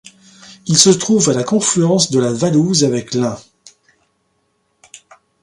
Il se trouve à la confluence de la Valouse avec l'Ain.